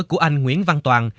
của anh nguyễn văn toàn